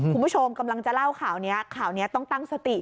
คุณผู้ชมกำลังจะเล่าข่าวนี้ข่าวนี้ต้องตั้งสติ